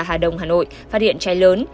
hà đông hà nội phát hiện cháy lớn